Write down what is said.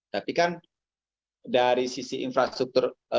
tapi kan dari sisi infrastruktur